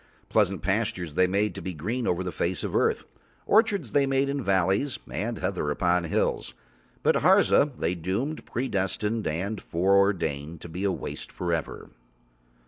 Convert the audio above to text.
Pleasant pastures They made to be green over the face of earth, orchards They made in valleys and heather upon hills, but Harza They doomed, predestined and foreordained to be a waste for ever.